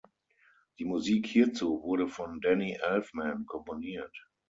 Die Musik hierzu wurde von Danny Elfman komponiert.